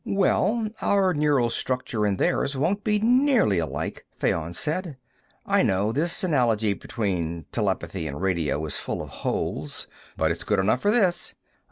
"Well, our neural structure and theirs won't be nearly alike," Fayon said. "I know, this analogy between telepathy and radio is full of holes, but it's good enough for this.